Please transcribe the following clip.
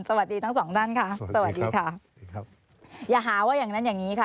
สวัสดีทั้งสองท่านค่ะสวัสดีค่ะอย่าหาว่าอย่างนั้นแบบนี้ค่ะ